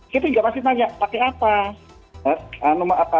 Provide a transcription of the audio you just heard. kita juga pasti tanya pakai apa